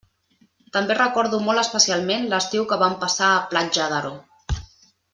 També recordo molt especialment l'estiu que vam passar a Platja d'Aro.